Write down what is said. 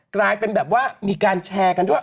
กลายเป็นแบบว่ามีการแชร์กันด้วย